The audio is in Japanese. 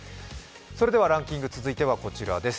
それではランキング続いてはこちらです。